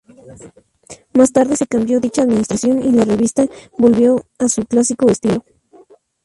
Más tarde, se cambió dicha administración, y la revista volvió a su clásico estilo.